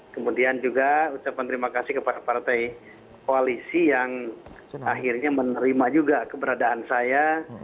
kemudian juga ucapan terima kasih kepada partai koalisi yang akhirnya menerima juga keberadaan saya